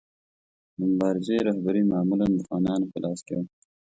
د مبارزې رهبري معمولا د خانانو په لاس کې وه.